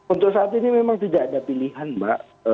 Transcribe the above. untuk saat ini memang tidak ada pilihan mbak